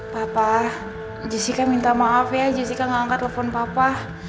papa jessica minta maaf ya jessica mengangkat telepon papa